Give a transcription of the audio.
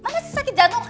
mana sih sakit jantung